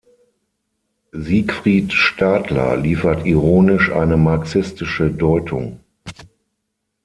Siegfried Stadler liefert ironisch eine marxistische Deutung.